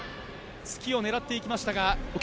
突きを狙っていきましたが。